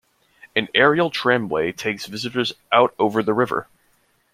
An aerial tramway takes visitors out over the river.